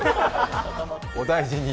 お大事に。